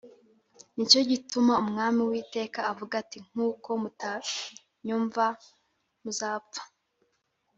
Ni cyo gituma Umwami Uwiteka avuga ati Kuko mutanyumva muzapfa